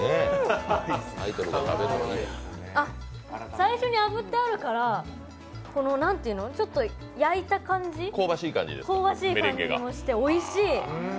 最初にあぶってわるから焼いた感じ、香ばしい感じもしておいしい。